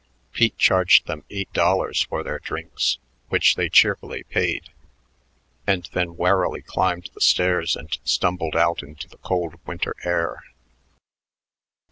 Pete charged them eight dollars for their drinks, which they cheerfully paid, and then warily climbed the stairs and stumbled out into the cold winter air.